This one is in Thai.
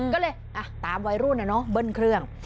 ก็เลยตามไว้รูปน่ะเนอะบิ้นเครื่อง